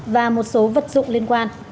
và một số vật dụng liên quan